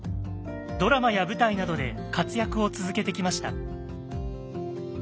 ドラマや舞台などで活躍を続けてきました。